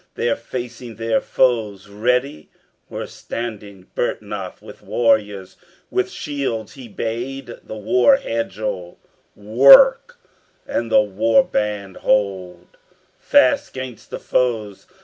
There facing their foes ready were standing Byrhtnoth with warriors: with shields he bade The war hedgel work, and the war band hold Fast 'gainst the foes.